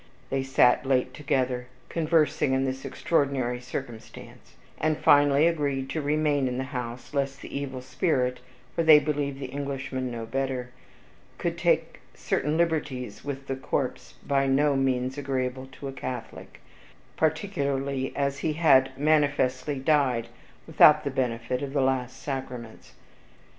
They sat late together, conversing on this extraordinary circumstance, and finally agreed to remain in the house, lest the evil spirit (for they believed the Englishman no better) should take certain liberties with the corse by no means agreeable to a Catholic, particularly as he had manifestly died without the benefit of the last sacraments.